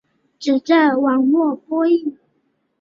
只在网络播映。